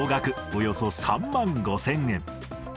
およそ３万５０００円。